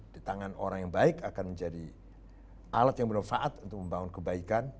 di tangan orang yang baik akan menjadi alat yang bermanfaat untuk membangun kebaikan